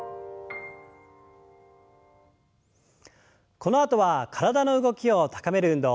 このあとは体の動きを高める運動。